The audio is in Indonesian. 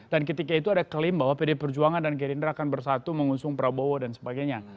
dan ketika itu ada klaim bahwa pd perjuangan dan gerindra akan bersatu mengusung prabowo dan sebagainya